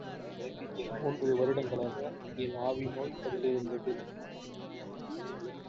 மூன்று வருடங்களாக என் ஆவி நோய்ப் பட்டிருந்தது.